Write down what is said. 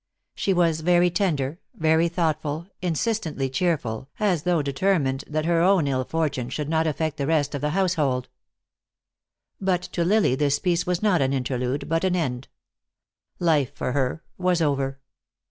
She was very tender, very thoughtful, insistently cheerful, as though determined that her own ill fortune should not affect the rest of the household. But to Lily this peace was not an interlude, but an end. Life for her was over.